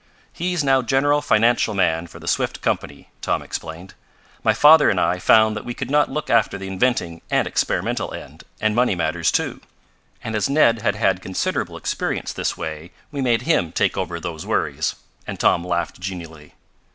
"He's now general financial man for the Swift Company," Tom explained. "My father and I found that we could not look after the inventing and experimental end, and money matters, too, and as Ned had had considerable experience this way we made him take over those worries," and Tom laughed genially.